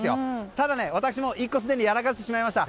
ただ、私も１個すでにやらかしてしまいました。